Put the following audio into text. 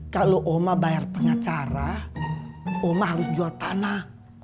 kalau oma bayar pengacara oma harus jual tanah